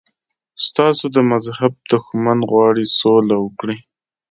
ستاسو د مذهب دښمن غواړي سوله وکړي.